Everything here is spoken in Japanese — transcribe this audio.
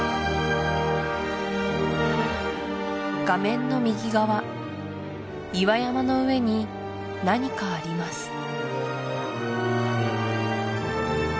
画面の右側岩山の上に何かあります